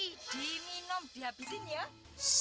ini nom dihabisin ya